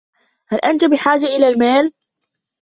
هل أنت بحاجة إلى المال ؟